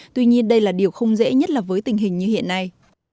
tuy nhiên đây là điều không dễ nhất là với tình hình như hiện nay